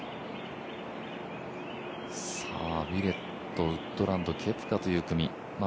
ウィレット、ウッドランド、ケプカという組。